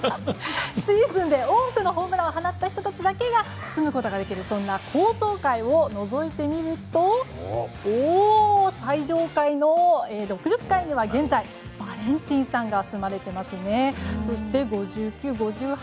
シーズンで多くのホームランを放った人たちだけが住むことができるそんな高層階をのぞいてみると最上階の６０階には現在バレンティンさんが住まれていますね。